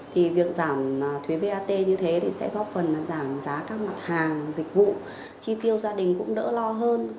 thì việc giảm thuế vat như thế thì sẽ góp phần giảm giá các mặt hàng dịch vụ chi tiêu gia đình cũng đỡ lo hơn